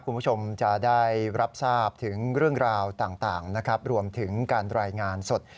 คุณผู้ชมจะได้รับทราบถึงเรื่องราวต่างนะครับรวมถึงการรายงานสด